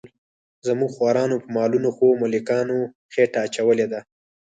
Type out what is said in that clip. زموږ خوارانو په مالونو خو ملکانو خېټه اچولې ده.